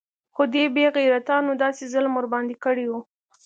خو دې بې غيرتانو داسې ظلم ورباندې كړى و.